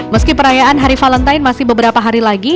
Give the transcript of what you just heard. meski perayaan hari valentine masih beberapa hari lagi